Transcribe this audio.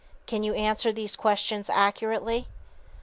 Can you answer these questions accurately?